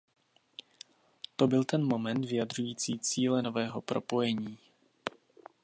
To byl ten moment vyjadřující cíle nového propojení.